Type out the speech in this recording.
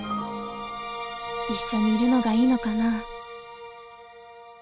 一緒にいるのがいいのかな。